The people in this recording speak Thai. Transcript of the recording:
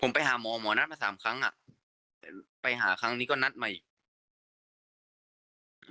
ผมไปหาหมอหมอนัดมา๓ครั้งแต่ไปหาครั้งนี้ก็นัดมาอีก